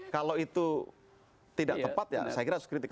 kalau itu tidak tepat ya saya kira harus kritik